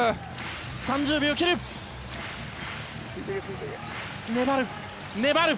３０秒切る。